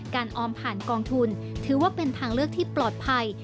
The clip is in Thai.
ออมผ่านกองทุนถือว่าเป็นทางเลือกที่ปลอดภัย